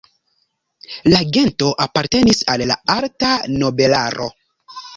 La gento apartenis al la alta nobelaro.